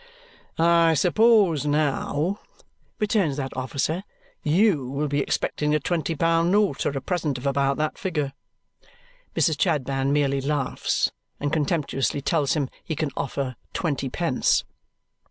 "I suppose now," returns that officer, "YOU will be expecting a twenty pound note or a present of about that figure?" Mrs. Chadband merely laughs and contemptuously tells him he can "offer" twenty pence.